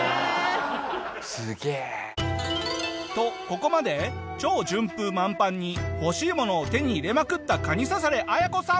すげえ！とここまで超順風満帆に欲しいものを手に入れまくったカニササレアヤコさん。